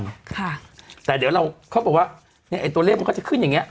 ค่ะแต่เดี๋ยวเราเขาบอกว่าเนี้ยไอ้ตัวเลขมันก็จะขึ้นอย่างเงี้